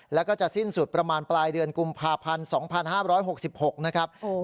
แล้วก็จะสิ้นสุดประมาณปลายเดือนกลุ่มภาพันธ์สองพันห้าร้อยหกสิบหกนะครับโอ้ย